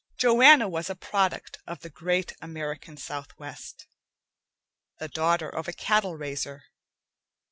Joanna was a product of the great American southwest, the daughter of a cattle raiser.